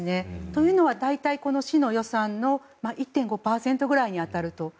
というのは大体この市の予算の１．５％に当たると。